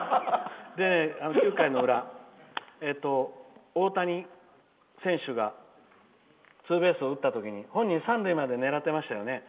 でね、９回の裏、大谷選手がツーベースを打った時に本人は三塁まで狙ってましたよね